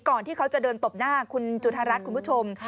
ที่เขาจะเดินตบหน้าคุณจุธารัฐคุณผู้ชม